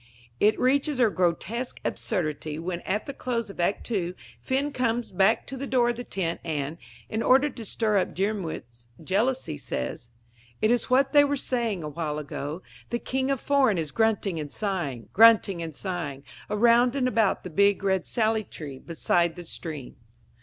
It reaches a grotesque absurdity when at the close of Act II Finn comes back to the door of the tent and, in order to stir up Diarmuid's jealousy, says: It is what they were saying a while ago, the King of Foreign is grunting and sighing, grunting and sighing, around and about the big red sally tree beside the stream!